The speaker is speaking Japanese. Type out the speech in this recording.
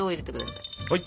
はい。